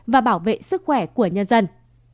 và bảo vệ sức khỏe của nhân dân